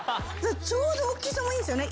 ちょうど大きさもいいんですよね。